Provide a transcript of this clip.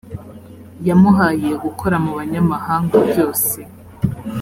yamuhaye gukora mu banyamahanga byose